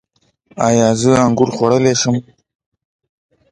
ایا زه انګور خوړلی شم؟